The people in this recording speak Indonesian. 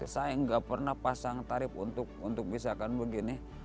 saya nggak pernah pasang tarif untuk misalkan begini